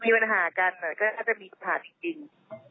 มีปัญหากันก็น่าจะมีปัญหาจริง